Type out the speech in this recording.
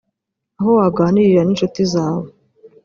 aho waganirira n’inshuti zawe